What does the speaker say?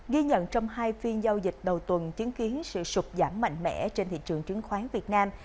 ghi nhận trong hai phiên giao dịch đầu tuần chứng kiến sự sụp giảm mạnh mẽ trên thị trường chứng khoán việt nam